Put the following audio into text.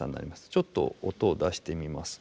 ちょっと音を出してみますと。